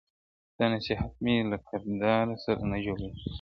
ستا نصیحت مي له کرداره سره نه جوړیږي ..